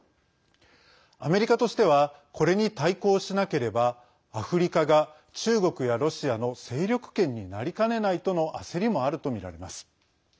アメリカとしてはこれに対抗しなければアフリカが中国やロシアの勢力圏になりかねないとの焦りもあるとみられます。